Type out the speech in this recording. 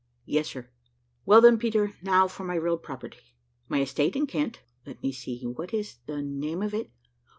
"Yes, sir." "Well, then, Peter, now for my real property. My estate in Kent (let me see, what is the name of it?)